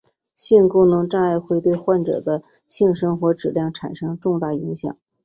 性功能障碍会对患者的性生活质量产生重大影响。